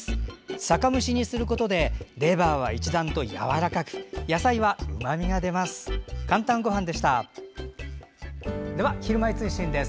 酒蒸しにすることでレバーは、一段とやわらかく野菜は、うまみが出ます。